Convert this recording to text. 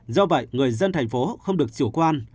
do vậy người dân thành phố không được chủ quan